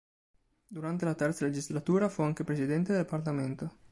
Durante la terza legislatura fu anche presidente del parlamento.